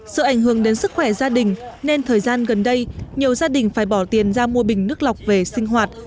sự ảnh hưởng đến sức khỏe gia đình nên thời gian gần đây nhiều gia đình phải bỏ tiền ra mua bình nước lọc về sinh hoạt